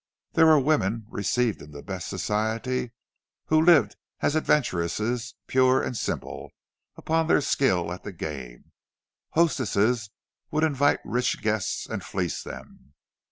There were women received in the best Society, who lived as adventuresses pure and simple, upon their skill at the game; hostesses would invite rich guests and fleece them.